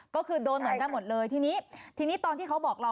ก็คือโดนเหมือนกันหมดเลยทีนี้ทีนี้ตอนที่เขาบอกเรา